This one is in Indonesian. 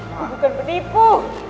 kamu bukan penipu